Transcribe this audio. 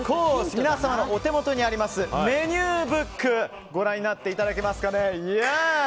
皆さん、お手元にあるメニューブックご覧になっていただけますかね。